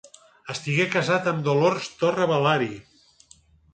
Estigué casat amb Dolors Torra Balari.